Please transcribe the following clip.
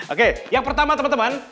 oke yang pertama teman teman